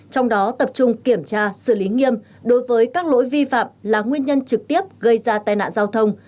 trong đó tập trung kiểm tra xử lý nghiêm đối với các lỗi vi phạm là nguyên nhân trực tiếp gây ra tai nạn giao thông